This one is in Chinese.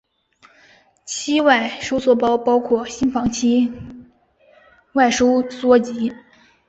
期外收缩包括心房期外收缩及。